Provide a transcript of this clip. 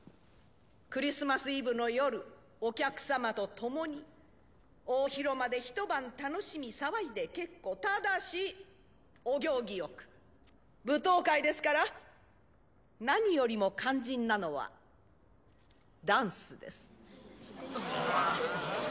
クリスマスイブの夜お客様と共に大広間で一晩楽しみ騒いで結構ただしお行儀よく舞踏会ですから何よりも肝心なのはダンスです